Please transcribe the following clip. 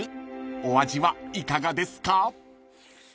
［お味はいかがですか？］